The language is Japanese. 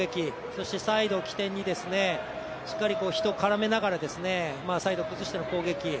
そして、サイドを起点にしっかり人を絡めながら、サイド崩しての攻撃。